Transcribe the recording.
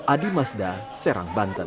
adi mazda serang banten